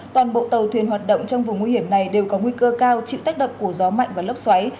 toàn bộ tàu thuyền hoạt động trong vùng nguy hiểm này đều có nguy cơ cao chịu tác động của gió mạnh và lốc xoáy